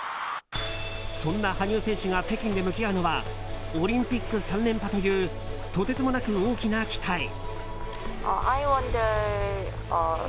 そんな羽生選手が北京で向き合うのはオリンピック３連覇というとてつもなく大きな期待。